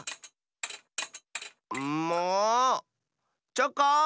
チョコン！